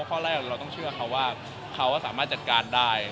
ข้อแรกเราต้องเชื่อเขาว่าเขาสามารถจัดการได้